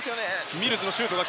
ミルズのシュート。